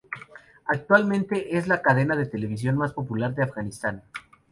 Actualmente es la cadena de televisión más popular de Afganistán.